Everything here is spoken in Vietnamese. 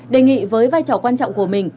đề nghị với vai trò quan trọng của mình